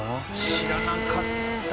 知らなかった。